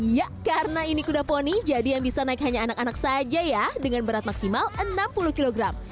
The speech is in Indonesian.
ya karena ini kuda poni jadi yang bisa naik hanya anak anak saja ya dengan berat maksimal enam puluh kg